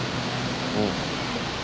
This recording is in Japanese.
うん。